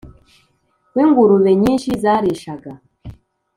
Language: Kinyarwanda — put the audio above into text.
w ingurube nyinshi zarishaga